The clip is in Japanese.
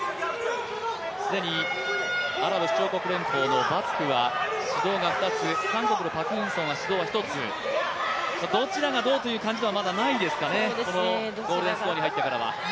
既にアラブ首長国連邦のバツフは指導が２つ、韓国のパク・ウンソンは指導が１つ、どちらがどうという感じではまだないですかね、このゴールデンスコアに入ってからは。